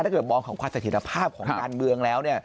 เกิดมองของความสถิตภาพของการเมืองแล้ว